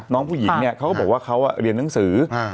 น้องผู้หญิงเนี่ยเขาก็บอกว่าเขาเรียนหนังสือ